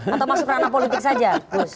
atau masuk ke dalam ranah politik saja